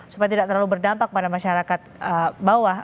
supaya tidak terlalu berdampak pada masyarakat bawah